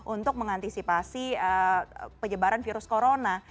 untuk mengantisipasi penyebaran virus corona